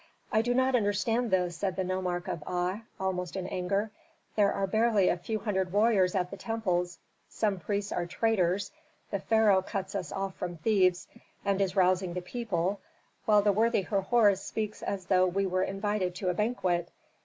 "I do not understand this," said the nomarch of Aa, almost in anger. "There are barely a few hundred warriors at the temples, some priests are traitors, the pharaoh cuts us off from Thebes and is rousing the people, while the worthy Herhor speaks as though we were invited to a banquet.